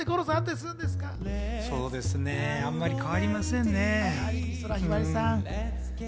そうですね、あんまり変わりませんね。